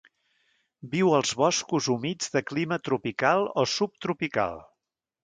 Viu als boscos humits de clima tropical o subtropical.